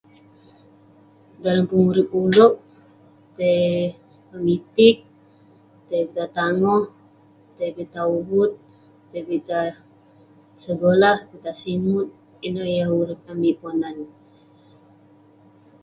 Dalam pengurip ulouk, tai memitik, tai pitah tangoh, tai pitah uvut, tai pitah segolah, pitah simut, ineh yah urip amik ponan..